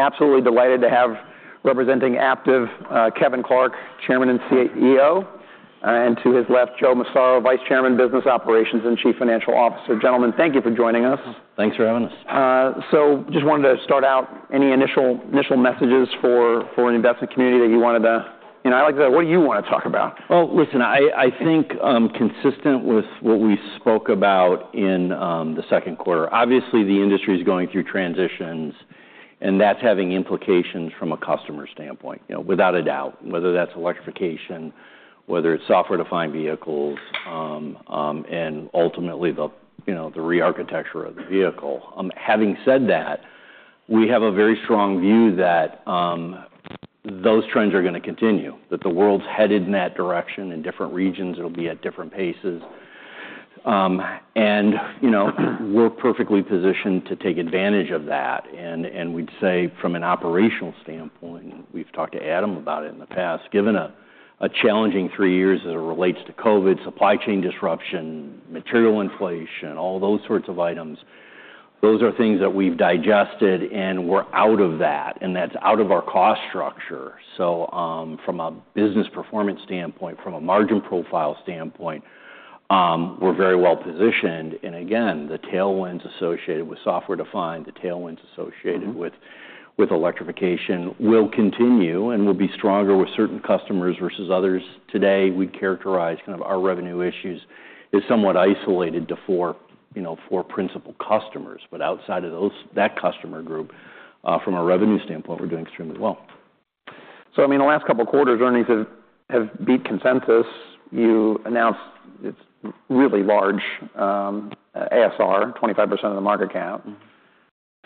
Absolutely delighted to have, representing Aptiv, Kevin Clark, Chairman and CEO, and to his left, Joe Massaro, Vice Chairman, Business Operations, and Chief Financial Officer. Gentlemen, thank you for joining us. Thanks for having us. So, just wanted to start out, any initial messages for an investment community that you wanted to. And I like to go, what do you want to talk about? Listen, I think, consistent with what we spoke about in the second quarter, obviously, the industry is going through transitions, and that's having implications from a customer standpoint, you know, without a doubt. Whether that's electrification, whether it's software-defined vehicles, and ultimately, the you know the rearchitecture of the vehicle. Having said that, we have a very strong view that those trends are gonna continue, that the world's headed in that direction. In different regions, it'll be at different paces, and you know, we're perfectly positioned to take advantage of that. We'd say from an operational standpoint, we've talked to Adam about it in the past, given a challenging three years as it relates to COVID, supply chain disruption, material inflation, all those sorts of items, those are things that we've digested, and we're out of that, and that's out of our cost structure. So, from a business performance standpoint, from a margin profile standpoint, we're very well-positioned. And again, the tailwinds associated with software-defined, the tailwinds associated with electrification will continue and will be stronger with certain customers versus others. Today, we'd characterize kind of our revenue issues as somewhat isolated to four, you know, principal customers. But outside of those that customer group, from a revenue standpoint, we're doing extremely well. I mean, the last couple of quarters, earnings have beat consensus. You announced a really large ASR, 25% of the market cap.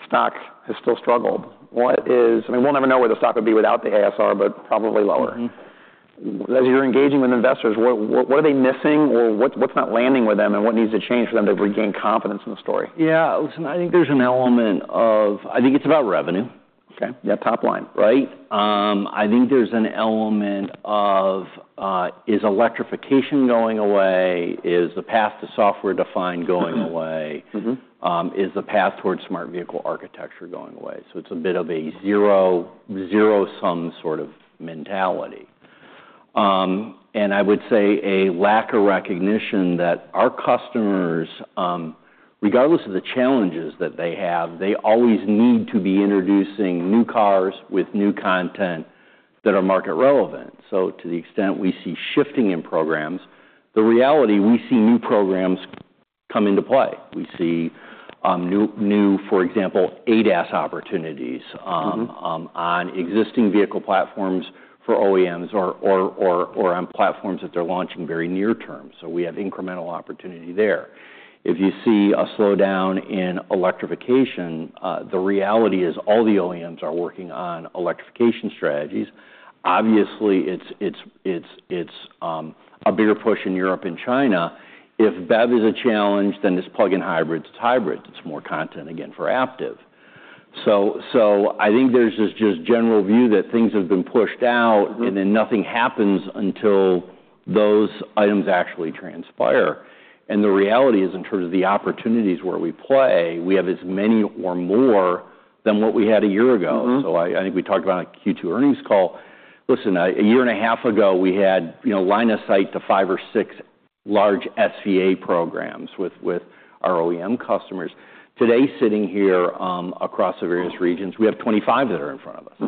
Stock has still struggled. What is. I mean, we'll never know where the stock would be without the ASR, but probably lower. As you're engaging with investors, what are they missing, or what's not landing with them, and what needs to change for them to regain confidence in the story? Yeah, listen, I think there's an element of, I think it's about revenue. Okay. Yeah, top line. Right? I think there's an element of, is electrification going away? Is the path to software-defined going away? Is the path towards Smart Vehicle Architecture going away? So it's a bit of a zero-sum sort of mentality. And I would say a lack of recognition that our customers, regardless of the challenges that they have, they always need to be introducing new cars with new content that are market-relevant. So to the extent we see shifting in programs, the reality, we see new programs come into play. We see new, for example, ADAS opportunities on existing vehicle platforms for OEMs or on platforms that they're launching very near term. So we have incremental opportunity there. If you see a slowdown in electrification, the reality is all the OEMs are working on electrification strategies. Obviously, it's a bigger push in Europe and China. If BEV is a challenge, then it's plug-in hybrids, it's hybrids. It's more content, again, for Aptiv. So I think there's this just general view that things have been pushed out and then nothing happens until those items actually transpire. And the reality is, in terms of the opportunities where we play, we have as many or more than what we had a year ago. I think we talked about on Q2 earnings call. Listen, a year and a half ago, we had, you know, line of sight to five or six large SVA programs with our OEM customers. Today, sitting here, across the various regions, we have 25 that are in front of us.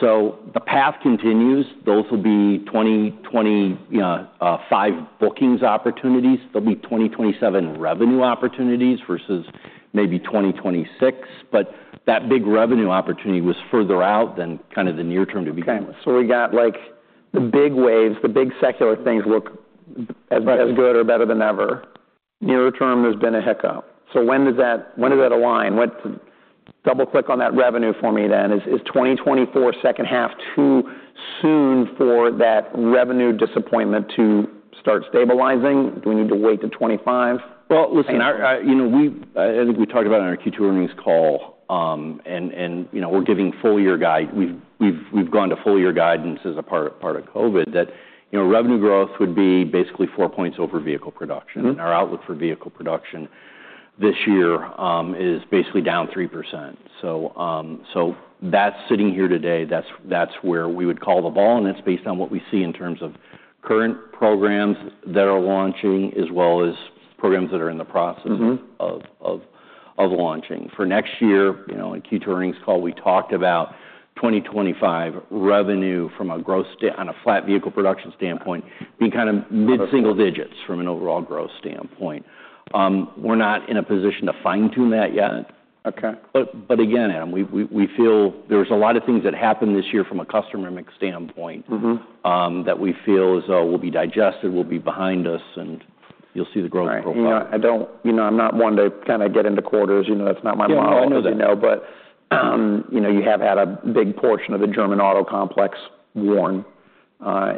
The path continues. Those will be 2025 booking opportunities. They'll be 2027 revenue opportunities versus maybe 2026, but that big revenue opportunity was further out than kind of the near term to be famous. Okay. So we got, like, the big waves, the big secular things look as good or better than ever. Near term, there's been a hiccup. So when does that align? Double-click on that revenue for me then. Is 2024 second half too soon for that revenue disappointment to start stabilizing? Do we need to wait to 2025? Listen, you know, I, as we talked about in our Q2 earnings call, and you know, we're giving full year guide. We've gone to full year guidance as a part of COVID that, you know, revenue growth would be basically four points over vehicle production. Our outlook for vehicle production this year is basically down 3%. So that's sitting here today. That's where we would call the ball, and it's based on what we see in terms of current programs that are launching, as well as programs that are in the process of launching. For next year, you know, in Q2 earnings call, we talked about 2025 revenue from a growth standpoint on a flat vehicle production standpoint, being kinda mid-single digits from an overall growth standpoint. We're not in a position to fine-tune that yet. Okay. But again, Adam, we feel there's a lot of things that happened this year from a customer mix standpoint that we feel as though will be digested, will be behind us, and you'll see the growth profile. All right. You know, I don't, you know, I'm not one to kind of get into quarters. You know, that's not my model, as you know. Yeah, I know that. But, you know, you have had a big portion of the German auto complex worn,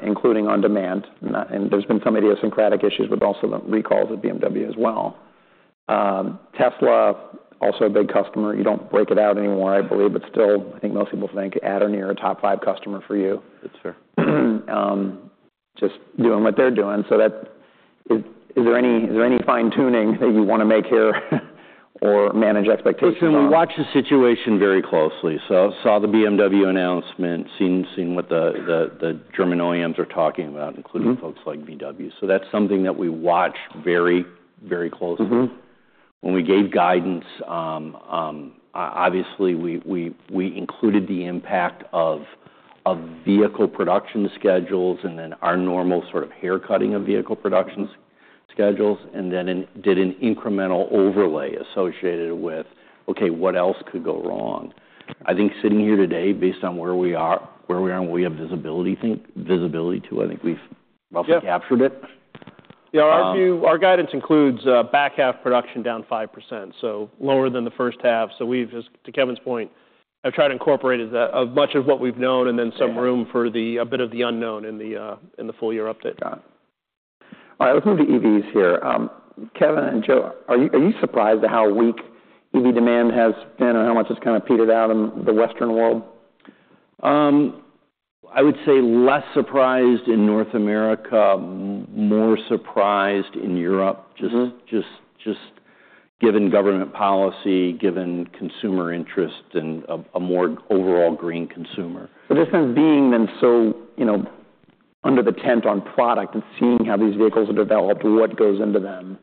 including on demand, and there's been some idiosyncratic issues with also the recalls of BMW as well. Tesla, also a big customer. You don't break it out anymore, I believe, but still, I think most people think at or near a top five customer for you. That's fair. Just doing what they're doing. So, is there any fine-tuning that you want to make here or manage expectations on? Listen, we watch the situation very closely. So saw the BMW announcement, seeing what the German OEMs are talking about including folks like VW. So that's something that we watch very, very closely. When we gave guidance, obviously, we included the impact of vehicle production schedules and then our normal sort of haircutting of vehicle production schedules, and then did an incremental overlay associated with, okay, what else could go wrong? I think sitting here today, based on where we are and what we have visibility to, I think we've roughly captured it. Yeah. Um- Yeah, our view, our guidance includes back half production down 5%, so lower than the first half. So we've just, to Kevin's point, I've tried to incorporate as much of what we've known and then some room for the, a bit of the unknown in the full year update. Got it. All right, let's move to EVs here. Kevin and Joe, are you surprised at how weak EV demand has been and how much it's kind of petered out in the Western world? I would say less surprised in North America, more surprised in Europe just given government policy, given consumer interest and a more overall green consumer. But this being so, you know, under the tent on product and seeing how these vehicles are developed, what goes into them,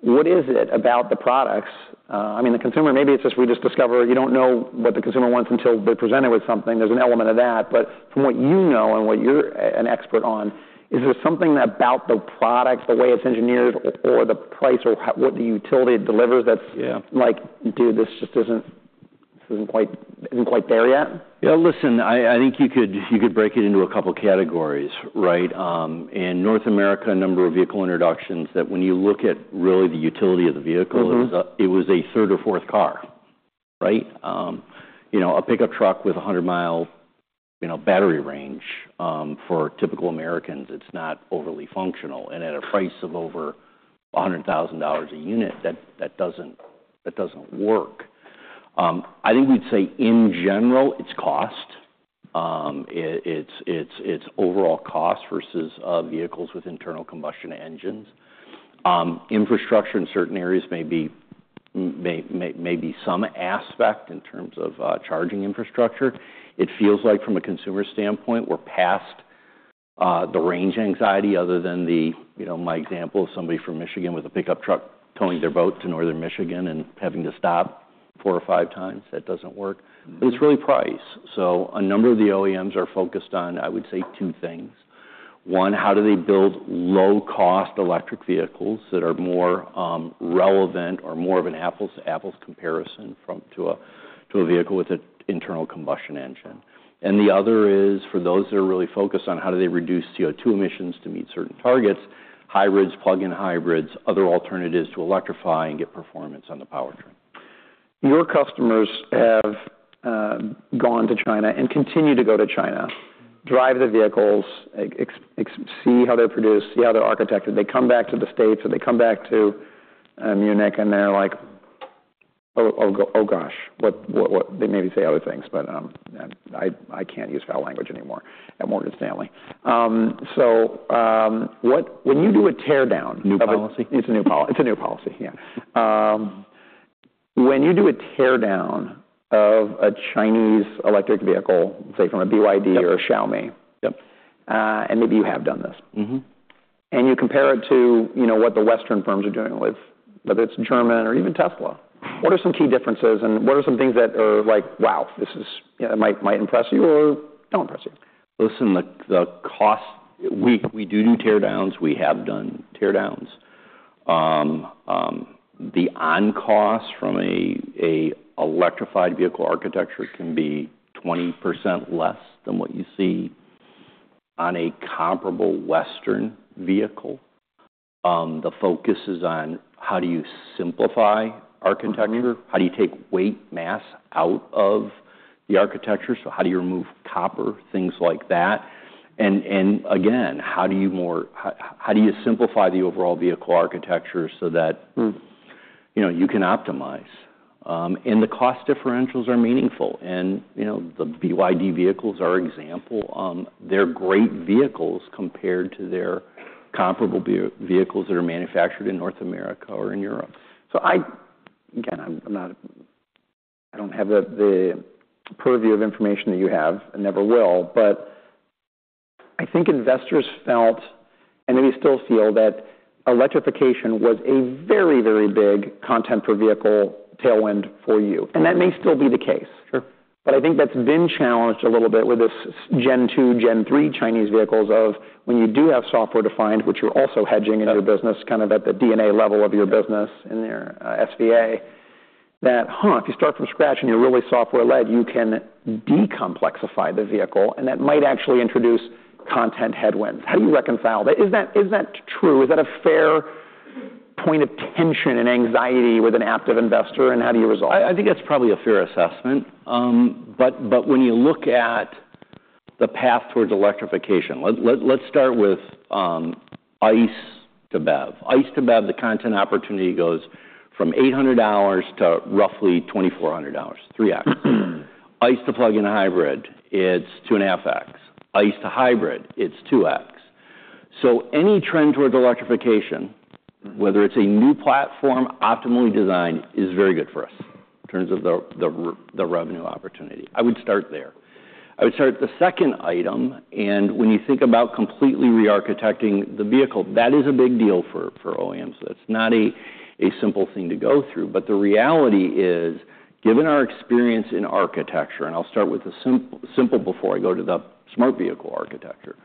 what is it about the products? I mean, the consumer, maybe it's just we just discovered you don't know what the consumer wants until they're presented with something. There's an element of that. But from what you know and what you're an expert on, is there something about the products, the way it's engineered or the price or what the utility it delivers that's like, "Dude, this just isn't quite there yet? Yeah, listen, I think you could break it into a couple of categories, right? In North America, a number of vehicle introductions that when you look at really the utility of the vehicle it was a third or fourth car, right? You know, a pickup truck with a 100 mile, you know, battery range, for typical Americans, it's not overly functional. And at a price of over $100,000 a unit, that doesn't work. I think we'd say, in general, it's cost. It's overall cost versus vehicles with internal combustion engines. Infrastructure in certain areas may be some aspect in terms of charging infrastructure. It feels like from a consumer standpoint, we're past the range anxiety other than the, you know, my example of somebody from Michigan with a pickup truck towing their boat to Northern Michigan and having to stop four or five times. That doesn't work. But it's really price. So a number of the OEMs are focused on, I would say, two things. One, how do they build low-cost electric vehicles that are more relevant or more of an apples to apples comparison to a vehicle with an internal combustion engine? And the other is, for those that are really focused on how do they reduce CO2 emissions to meet certain targets, hybrids, plug-in hybrids, other alternatives to electrify and get performance on the powertrain. Your customers have gone to China and continue to go to China, drive the vehicles, see how they're produced, see how they're architected. They come back to the States, or they come back to Munich, and they're like, "Oh, oh, oh, gosh, what, what, what- " They maybe say other things, but I can't use foul language anymore at Morgan Stanley. So, when you do a tear down- New policy? It's a new policy, yeah. When you do a tear down of a Chinese electric vehicle, say, from a BYD or a Xiaomi. Yep. And maybe you have done this and you compare it to, you know, what the Western firms are doing, with whether it's German or even Tesla. What are some key differences, and what are some things that are like, wow, this is, might impress you or don't impress you? Listen, the cost—we do tear downs. We have done tear downs. The on-cost from an electrified vehicle architecture can be 20% less than what you see on a comparable Western vehicle. The focus is on: How do you simplify architecture? How do you take weight, mass out of the architecture? So how do you remove copper, things like that? And again, how do you simplify the overall vehicle architecture so that, you know, you can optimize? and the cost differentials are meaningful, and you know, the BYD vehicles are an example. They're great vehicles compared to their comparable vehicles that are manufactured in North America or in Europe. So again, I'm not, I don't have the purview of information that you have and never will, but I think investors felt, and maybe still feel that electrification was a very, very big content per vehicle tailwind for you. That may still be the case. But I think that's been challenged a little bit with this Gen 2, Gen 3 Chinese vehicles of when you do have software-defined, which you're also hedging in your business kind of at the DNA level of your business in your SVA, that if you start from scratch and you're really software-led, you can de-complexify the vehicle, and that might actually introduce content headwinds. How do you reconcile that? Is that true? Is that a fair point of tension and anxiety with an active investor, and how do you resolve it? I think that's probably a fair assessment. But when you look at the path towards electrification. Let's start with ICE to BEV. ICE to BEV, the content opportunity goes from $800 to roughly $2,400, 3x. ICE to plug-in hybrid, it's 2.5x. ICE to hybrid, it's 2x. So any trend towards electrification, whether it's a new platform, optimally designed, is very good for us in terms of the revenue opportunity. I would start there. I would start the second item, and when you think about completely re-architecting the vehicle, that is a big deal for OEMs. That's not a simple thing to go through. But the reality is, given our experience in architecture, and I'll start with the simple before I go to the Smart Vehicle Architecture,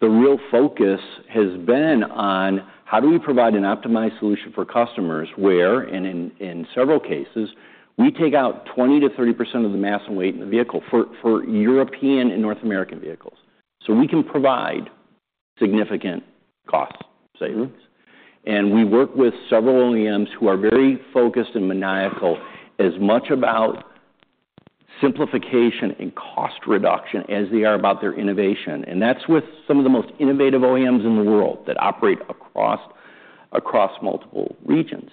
the real focus has been on how do we provide an optimized solution for customers, where in several cases we take out 20%-30% of the mass and weight in the vehicle for European and North American vehicles. So we can provide significant cost savings, and we work with several OEMs who are very focused and maniacal, as much about simplification and cost reduction as they are about their innovation. And that's with some of the most innovative OEMs in the world that operate across multiple regions.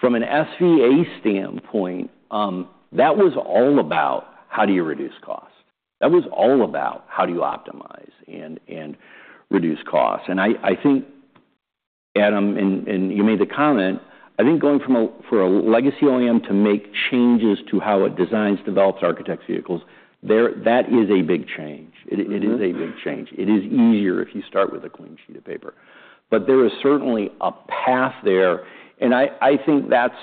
From an SVA standpoint, that was all about how do you reduce cost. That was all about how do you optimize and reduce costs. I think, Adam, you made the comment. I think going from a legacy OEM to make changes to how it designs, develops, architects vehicles, that is a big change. It is a big change. It is easier if you start with a clean sheet of paper. But there is certainly a path there, and I think that's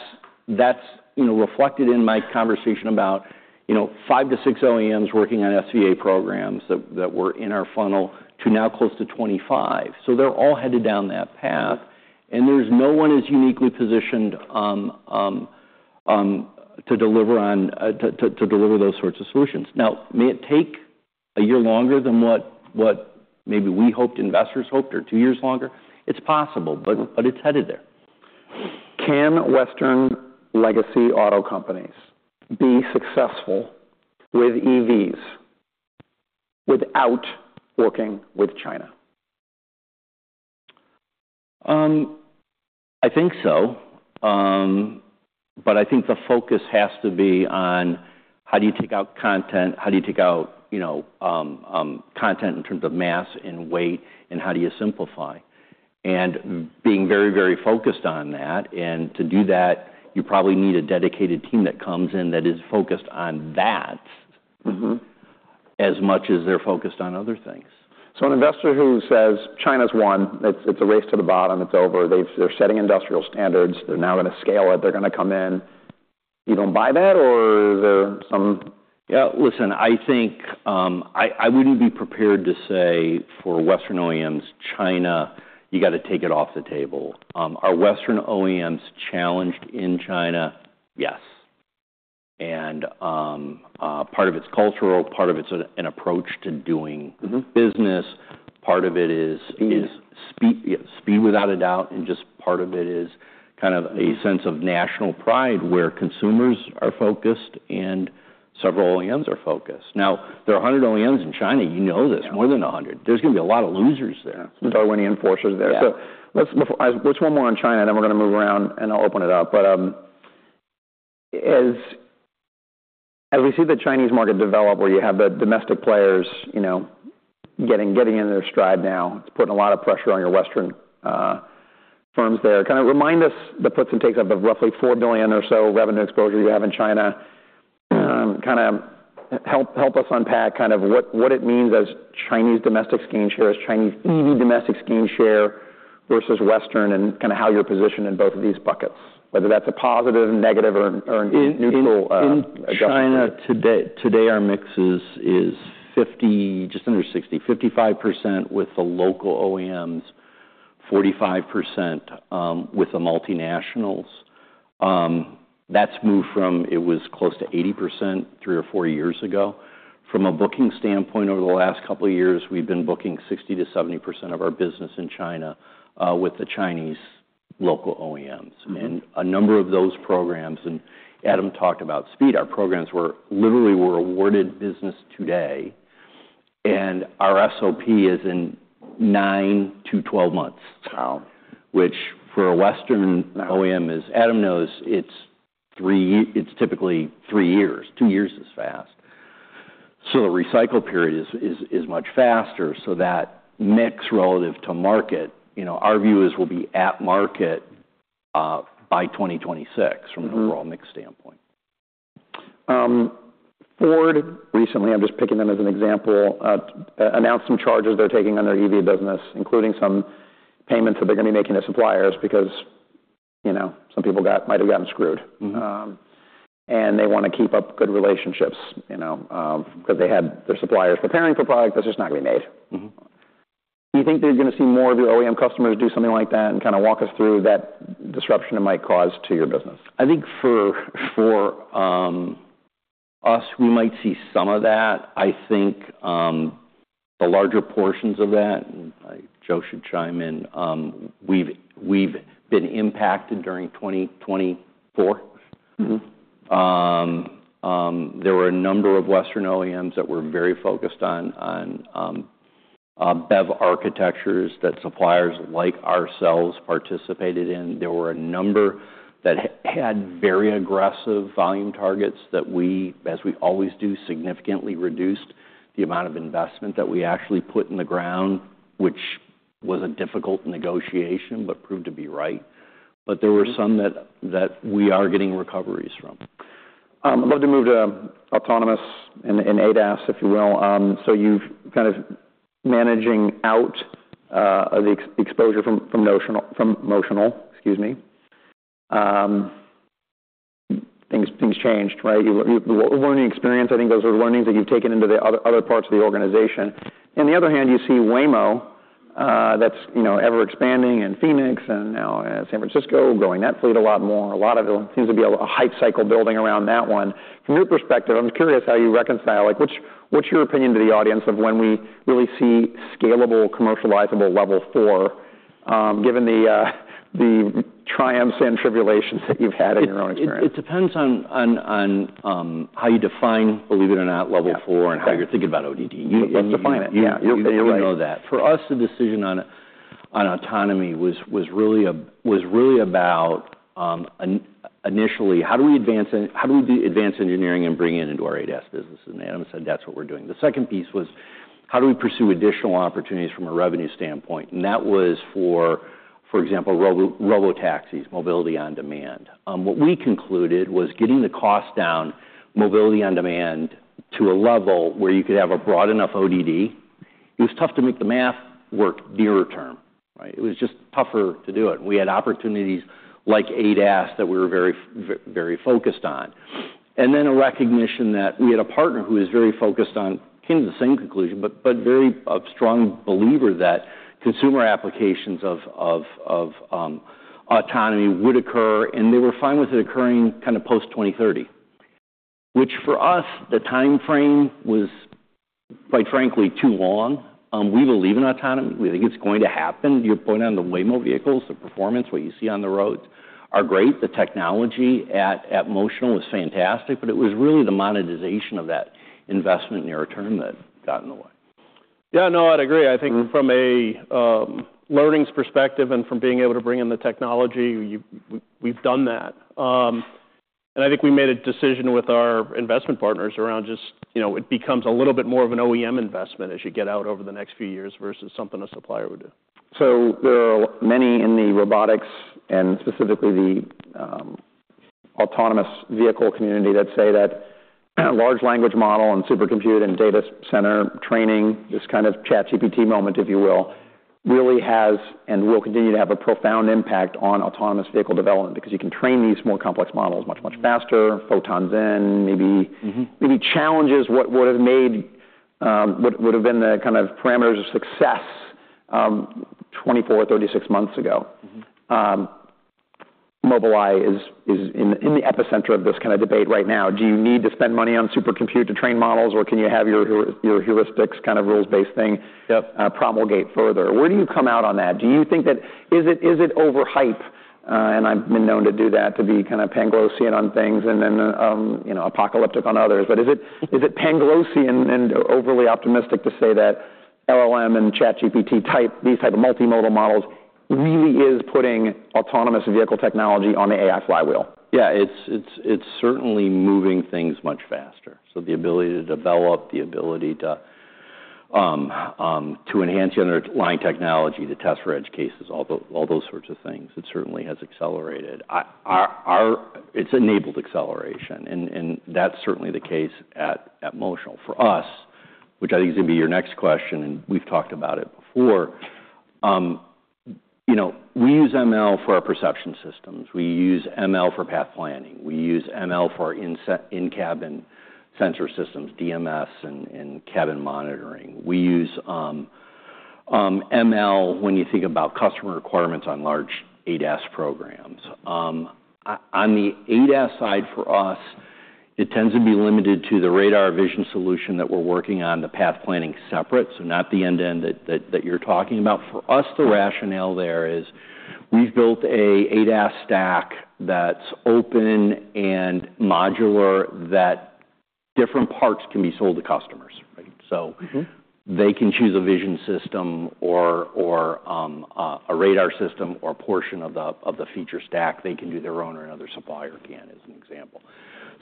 you know reflected in my conversation about you know five to six OEMs working on SVA programs that were in our funnel to now close to 25. So they're all headed down that path, and there's no one as uniquely positioned to deliver on to deliver those sorts of solutions. Now, may it take a year longer than what maybe we hoped, investors hoped, or two years longer? It's possible, but it's headed there. Can Western legacy auto companies be successful with EVs without working with China? I think so. But I think the focus has to be on how do you take out content? How do you take out, you know, content in terms of mass and weight, and how do you simplify? Being very, very focused on that, and to do that, you probably need a dedicated team that comes in that is focused on that as much as they're focused on other things. So an investor who says, "China's won, it's a race to the bottom, it's over. They're setting industrial standards, they're now gonna scale it, they're gonna come in," you don't buy that or is there some- Yeah, listen, I think I wouldn't be prepared to say for Western OEMs, China, you gotta take it off the table. Are Western OEMs challenged in China? Yes. And part of it's cultural, part of it's an approach to doing business. Part of it is- Speed... is speed, yes, speed, without a doubt, and just part of it is kind of a sense of national pride, where consumers are focused and several OEMs are focused. Now, there are a hundred OEMs in China. You know this. More than a hundred. There's gonna be a lot of losers there. Yeah, Darwinian forces there. Yeah. So let's move. Just one more on China, then we're gonna move around, and I'll open it up. But, as we see the Chinese market develop, where you have the domestic players, you know, getting in their stride now, it's putting a lot of pressure on your Western firms there. Kinda remind us the puts and takes of the roughly $4 billion or so revenue exposure you have in China. Kinda help us unpack kind of what it means as Chinese domestic gain share, as Chinese EV domestic gain share versus Western, and kinda how you're positioned in both of these buckets, whether that's a positive, negative, or a neutral adjustment. In China, today, our mix is 50%, just under 60%, 55% with the local OEMs, 45% with the multinationals. That's moved from... It was close to 80%, three or four years ago. From a booking standpoint, over the last couple of years, we've been booking 60%-70% of our business in China with the Chinese local OEMs. A number of those programs, and Adam talked about speed, our programs were literally awarded business today, and our SOP is in nine to 12 months- Wow!... which for a Western OEM- Wow... as Adam knows, it's three years, it's typically three years. Two years is fast. So the recycle period is much faster, so that mix relative to market, you know, our view is we'll be at market by 2026 from an overall mix standpoint. Ford recently, I'm just picking them as an example, announced some charges they're taking on their EV business, including some payments that they're gonna be making to suppliers, because, you know, some people might have gotten screwed. And they wanna keep up good relationships, you know, 'cause they had their suppliers preparing for product that's just not gonna be made. Do you think they're gonna see more of the OEM customers do something like that? And kinda walk us through that disruption it might cause to your business. I think for us, we might see some of that. I think the larger portions of that Joe should chime in. We've been impacted during 2024. There were a number of Western OEMs that were very focused on BEV architectures that suppliers like ourselves participated in. There were a number that had very aggressive volume targets that we, as we always do, significantly reduced the amount of investment that we actually put in the ground, which was a difficult negotiation, but proved to be right. But there were some that we are getting recoveries from. I'd love to move to autonomous and ADAS, if you will. So you've kind of managing out the exposure from Motional, excuse me. Things changed, right? You learned the learning experience, I think those are learnings that you've taken into the other parts of the organization. On the other hand, you see Waymo, that's, you know, ever-expanding in Phoenix and now in San Francisco, growing that fleet a lot more. A lot seems to be a hype cycle building around that one. From your perspective, I'm curious how you reconcile, like, what's your opinion to the audience of when we really see scalable, commercializable Level 4, given the triumphs and tribulations that you've had in your own experience? It depends on how you define, believe it or not, Level 4 and how you're thinking about ODD. Let's define it. Yeah, you know that. For us, the decision on autonomy was really about initially, how do we advance it, how do we advance engineering and bring it into our ADAS business? And Adam said, "That's what we're doing." The second piece was: How do we pursue additional opportunities from a revenue standpoint? And that was for example, robo taxis, mobility on demand. What we concluded was getting the cost down, mobility on demand to a level where you could have a broad enough ODD, it was tough to make the math work nearer term, right? It was just tougher to do it. We had opportunities like ADAS that we were very focused on. And then a recognition that we had a partner who is very focused on, came to the same conclusion, but a very strong believer that consumer applications of autonomy would occur, and they were fine with it occurring kind of post-2030. Which for us, the timeframe was, quite frankly, too long. We believe in autonomy. We think it's going to happen. Your point on the Waymo vehicles, the performance, what you see on the road are great. The technology at Motional was fantastic, but it was really the monetization of that investment near-term return that got in the way. Yeah, no, I'd agree. I think from a learnings perspective and from being able to bring in the technology, we've done that. And I think we made a decision with our investment partners around just, you know, it becomes a little bit more of an OEM investment as you get out over the next few years versus something a supplier would do. So there are many in the robotics and specifically the autonomous vehicle community that say that large language model and supercomputer and data center training, this kind of ChatGPT moment, if you will, really has and will continue to have a profound impact on autonomous vehicle development, because you can train these more complex models much, much faster, photons in, maybe, maybe challenges, what would have made, what would have been the kind of parameters of success, 24, 36 months ago. Mobileye is in the epicenter of this kinda debate right now. Do you need to spend money on supercomputer to train models, or can you have your heuristics kind of rules-based thing- Yep... promulgate further? Where do you come out on that? Do you think that... Is it, is it overhype? And I've been known to do that, to be kind of Panglossian on things and then, you know, apocalyptic on others. But is it, is it Panglossian and overly optimistic to say that LLM and ChatGPT type, these type of multimodal models, really is putting autonomous vehicle technology on the AI flywheel? Yeah, it's certainly moving things much faster. So the ability to develop, the ability to enhance the underlying technology, to test for edge cases, all those sorts of things, it certainly has accelerated. It's enabled acceleration, and that's certainly the case at Motional. For us, which I think is gonna be your next question, and we've talked about it before, you know, we use ML for our perception systems. We use ML for path planning. We use ML for our in-cabin sensor systems, DMS and cabin monitoring. We use ML when you think about customer requirements on large ADAS programs. On the ADAS side, for us, it tends to be limited to the radar vision solution that we're working on, the path planning separate, so not the end-to-end that you're talking about. For us, the rationale there is, we've built an ADAS stack that's open and modular, that different parts can be sold to customers, right? So they can choose a vision system or a radar system or a portion of the feature stack. They can do their own or another supplier can, as an example.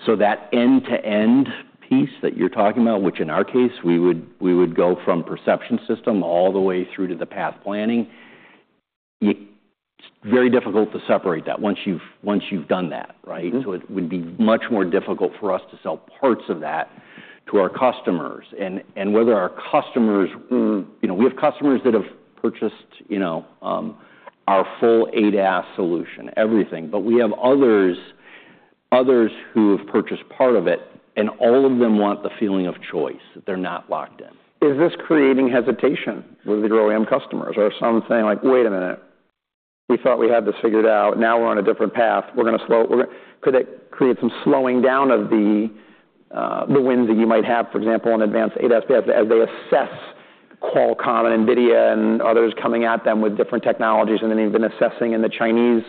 So that end-to-end piece that you're talking about, which in our case, we would go from perception system all the way through to the path planning, it's very difficult to separate that once you've done that, right? So it would be much more difficult for us to sell parts of that to our customers. And whether our customers, you know, we have customers that have purchased, you know, our full ADAS solution, everything, but we have others who have purchased part of it, and all of them want the feeling of choice, that they're not locked in. Is this creating hesitation with your OEM customers? Are some saying like, "Wait a minute, we thought we had this figured out. Now we're on a different path." Could that create some slowing down of the wins that you might have, for example, in advanced ADAS, as they assess Qualcomm, and NVIDIA, and others coming at them with different technologies, and then they've been assessing in the Chinese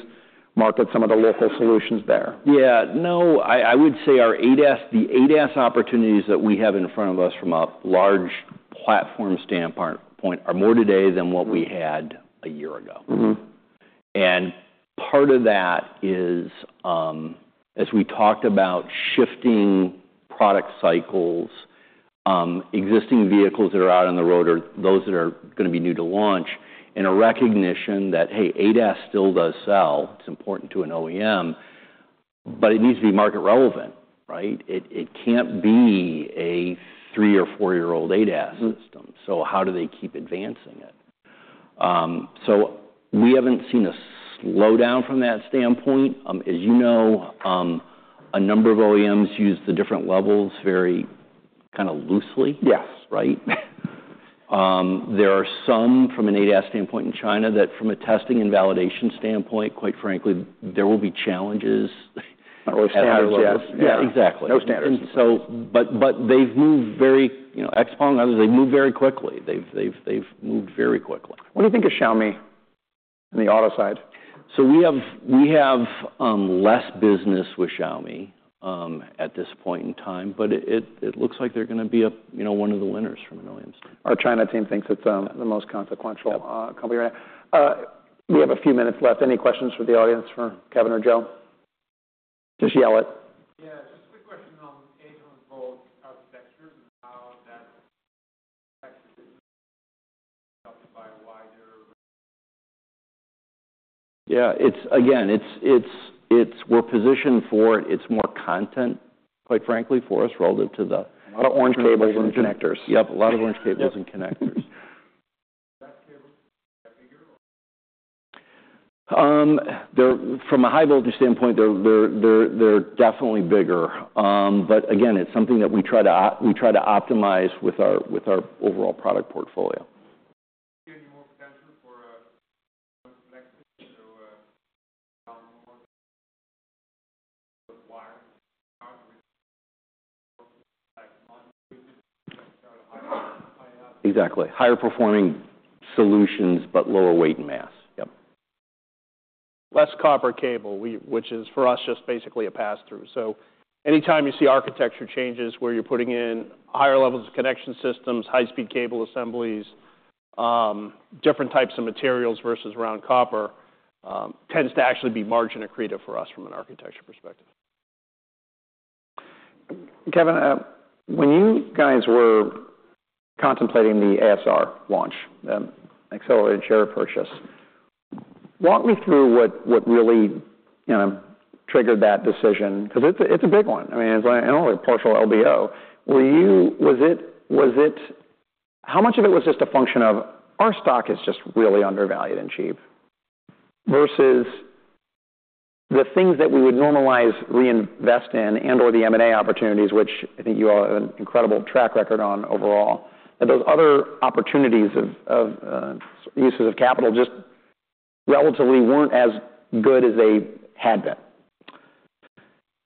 market, some of the local solutions there? Yeah, no, I would say our ADAS, the ADAS opportunities that we have in front of us from a large platform standpoint, are more today than what we had a year ago. And part of that is, as we talked about shifting product cycles, existing vehicles that are out on the road, or those that are gonna be new to launch, and a recognition that, hey, ADAS still does sell. It's important to an OEM, but it needs to be market-relevant, right? It can't be a three or four-year-old ADAS system. How do they keep advancing it? We haven't seen a slowdown from that standpoint. As you know, a number of OEMs use the different levels very kinda loosely. Yes. Right? There are some, from an ADAS standpoint in China, that from a testing and validation standpoint, quite frankly, there will be challenges. Or standards, yes. Yeah, exactly. No standards. But they've moved very, you know, exponentially. They've moved very quickly. What do you think of Xiaomi in the auto side? We have less business with Xiaomi at this point in time, but it looks like they're gonna be a, you know, one of the winners from an OEM standpoint. Our China team thinks it's the most consequential Company. We have a few minutes left. Any questions from the audience for Kevin or Joe? Just yell it. Yeah, just a quick question on both architectures, and how that helped by a wider- Yeah, it's again, we're positioned for it. It's more content, quite frankly, for us, relative to the- A lot of orange cables and connectors. Yep, a lot of orange cables and connectors. That cable, are they bigger or? From a high-voltage standpoint, they're definitely bigger. But again, it's something that we try to optimize with our overall product portfolio. Any more potential for a flexible to, more wire? Exactly. Higher-performing solutions, but lower weight and mass. Yep. Less copper cable, which is for us, just basically a pass-through. So anytime you see architecture changes where you're putting in higher levels of connection systems, high-speed cable assemblies, different types of materials versus around copper, tends to actually be margin accretive for us from an architecture perspective. Kevin, when you guys were contemplating the ASR launch, accelerated share repurchase, walk me through what, what really, you know, triggered that decision, because it's a, it's a big one. I mean, it's not only a partial LBO. Was it... How much of it was just a function of, our stock is just really undervalued and cheap, versus the things that we would normalize, reinvest in, and/or the M&A opportunities, which I think you all have an incredible track record on overall? And those other opportunities of uses of capital just relatively weren't as good as they had been.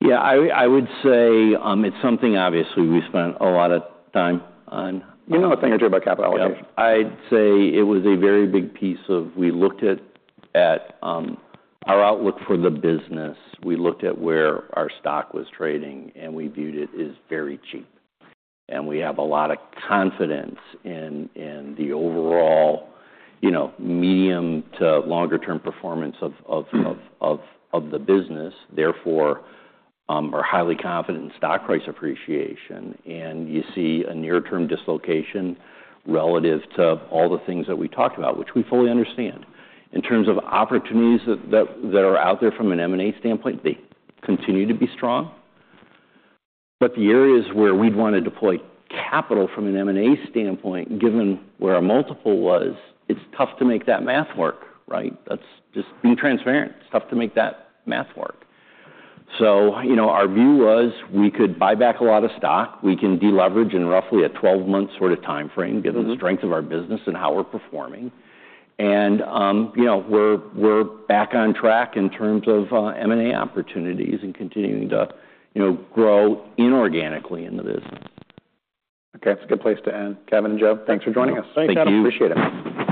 Yeah, I would say, it's something obviously we spent a lot of time on. You know, it's about capital allocation. Yep. I'd say it was a very big piece of... We looked at our outlook for the business, we looked at where our stock was trading, and we viewed it as very cheap. And we have a lot of confidence in the overall, you know, medium to longer term performance of the business, therefore, are highly confident in stock price appreciation. And you see a near-term dislocation relative to all the things that we talked about, which we fully understand. In terms of opportunities that are out there from an M&A standpoint, they continue to be strong. But the areas where we'd wanna deploy capital from an M&A standpoint, given where our multiple was, it's tough to make that math work, right? That's just being transparent. It's tough to make that math work. So, you know, our view was, we could buy back a lot of stock, we can deleverage in roughly a 12-month sort of timeframe given the strength of our business and how we're performing, and you know, we're back on track in terms of M&A opportunities and continuing to, you know, grow inorganically in the business. Okay, that's a good place to end. Kevin and Joe, thanks for joining us. Thank you. Appreciate it.